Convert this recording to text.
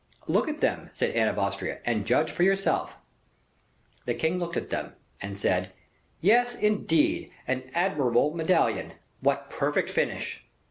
"Look at them," said Anne of Austria, "and judge for yourself." The king looked at them, and said, "Yes, indeed, an admirable medallion. What perfect finish!"